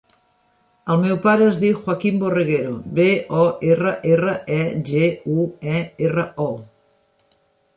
El meu pare es diu Joaquín Borreguero: be, o, erra, erra, e, ge, u, e, erra, o.